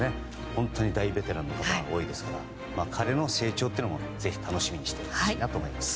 本当に大ベテランの方多いですから彼の成長もぜひ楽しみにしてほしいなと思います。